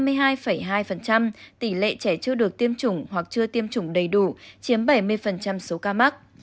tỷ lệ trẻ chưa được tiêm chủng hoặc chưa tiêm chủng đầy đủ chiếm bảy mươi số ca mắc